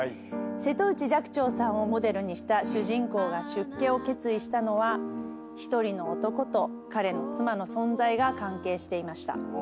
瀬戸内寂聴さんをモデルにした主人公が出家を決意したのは１人の男と彼の妻の存在が関係していました。